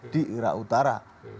di irak utara